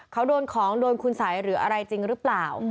เขาโดนของโดนคุณสัยหรืออะไรจริงหรือเปล่า